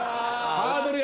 ハードルが。